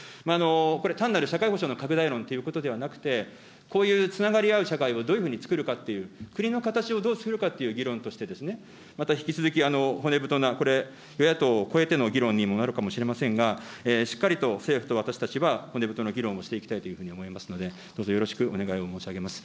これ、単に社会保障の拡大論ということではなくて、こういうつながり合う社会をどういうふうにつくるかっていう、国の形をどうつくるかという議論として、また引き続き、骨太な、これ、与野党超えての議論にもなるかもしれませんが、しっかりと政府と私たちは、骨太の議論をしていきたいというふうに思いますので、どうぞよろしくお願いを申し上げます。